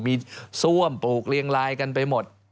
มีซ่วมปลูกเรียงลายกันไปหมด